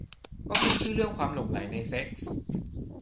ก็ขึ้นชื่อเรื่องความหลงใหลในเซ็กส์